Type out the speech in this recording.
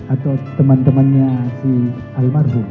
atau teman temannya si almarhum